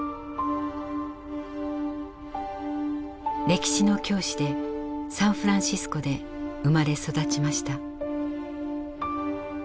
歴史の教師でサンフランシスコで生まれ育ちました。